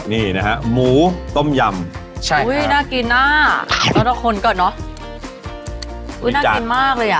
นี่นะฮะหมูต้มยำใช่อุ้ยน่ากินน่ะต้องเอาคนก่อนเนอะอุ้ยน่ากินมากเลยอ่ะ